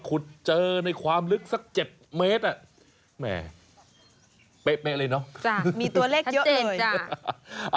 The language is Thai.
ขุดเจอในความลึกสัก๗เมตรอ่ะแหมเป๊ะเลยเนอะจ้ะมีตัวเลขเยอะเลยจ้ะ